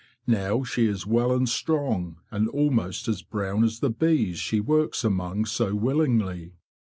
Now she is well and strong, and almost as brown as the bees she works among so willingly.